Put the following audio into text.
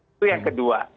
itu yang kedua